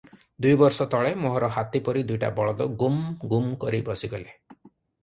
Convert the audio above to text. ଦୁଇବରଷ ତଳେ ମୋହର ହାତୀ ପରି ଦୁଇଟା ବଳଦ ଗୁମ୍ଗୁମ୍ କରି ବସିଗଲେ ।